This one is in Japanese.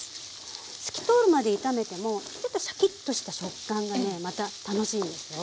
透き通るまで炒めてもちょっとシャキッとした食感がねまた楽しいんですよ。